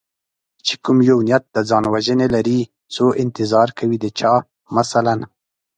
چې کوم یو نیت د ځان وژنې لري څو انتظار کوي د چا مثلا